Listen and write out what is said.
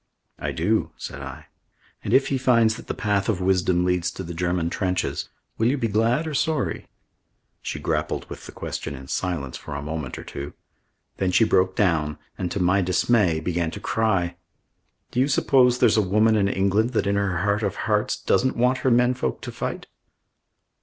"I do," said I. "And if he finds that the path of wisdom leads to the German trenches will you be glad or sorry?" She grappled with the question in silence for a moment or two. Then she broke down and, to my dismay, began to cry. "Do you suppose there's a woman in England that, in her heart of hearts, doesn't want her men folk to fight?"